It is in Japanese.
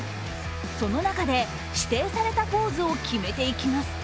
その中で指定されたポーズを決めていきます。